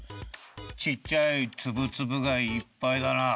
ちっちゃいツブツブがいっぱいだな。